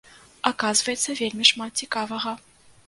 Аказваецца, вельмі шмат цікавага.